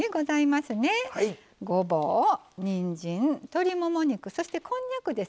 ごぼうにんじん鶏もも肉そしてこんにゃくです。